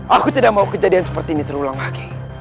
aku tidak mau kejadian seperti ini terulang lagi